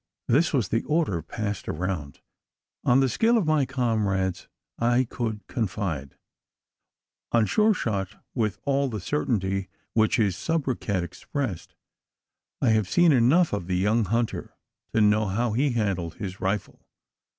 This was the order passed around. On the skill of my comrades I could confide on Sure shot with all the certainty which his soubriquet expressed; and I had seen enough of the young hunter, to know how he handled his rifle.